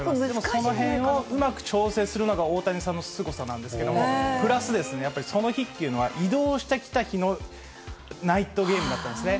そのへんをうまく調整するのが、大谷さんのすごさなんですけれども、プラスですね、その日っていうのは、移動してきた日のナイトゲームだったんですね。